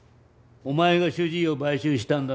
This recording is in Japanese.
お前が主治医を買収したんだな！？